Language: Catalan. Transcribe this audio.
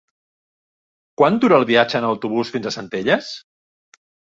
Quant dura el viatge en autobús fins a Centelles?